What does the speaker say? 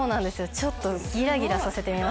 ちょっとギラギラさせてみました。